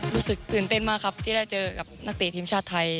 รู้สึกตื่นเต้นมากครับที่ได้เจอกับนักเตะทีมชาติไทย